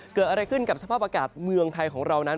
เกิดอะไรขึ้นกับสภาพอากาศเมืองไทยของเรานั้น